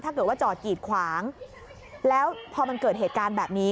จอดกีดขวางแล้วพอมันเกิดเหตุการณ์แบบนี้